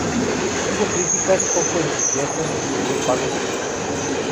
Tuvo críticas poco entusiastas y recibos bajos de taquilla.